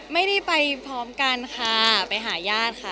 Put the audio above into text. ไม่ได้ไปพร้อมกันค่ะไปหาญาติค่ะ